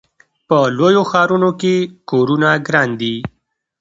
په لویو ښارونو کې کورونه ګران دي.